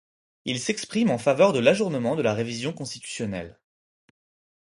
Il s'exprime en faveur de l'ajournement de la révision constitutionnelle.